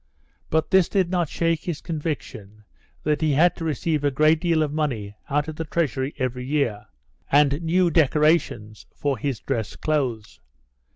But this did not shake his conviction that he had to receive a great deal of money out of the Treasury every year, and new decorations for his dress clothes.